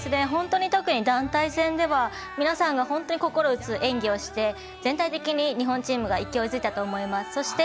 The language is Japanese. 本当に特に団体戦では皆さんが心を打つ演技をして全体的に日本チームが勢いづいたと思います。